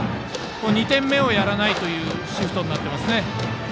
２点目をやらないというシフトになっています。